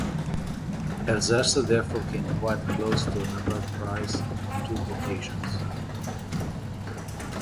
Elsasser therefore came quite close to a Nobel prize on two occasions.